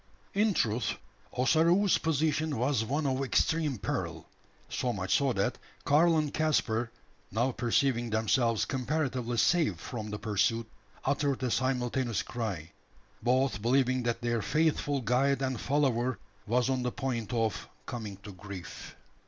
In truth, Ossaroo's position was one of extreme peril so much so that Karl and Caspar now perceiving themselves comparatively safe from the pursuit uttered a simultaneous cry: both believing that their faithful guide and follower was on the point of "coming to grief."